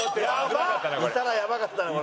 いたらやばかったなこれ。